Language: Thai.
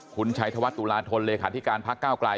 คุณชัยธวัฒนตุลาธนเลขาธิการพักก้าวกลาย